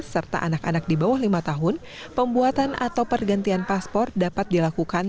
serta anak anak di bawah lima tahun pembuatan atau pergantian paspor dapat dilakukan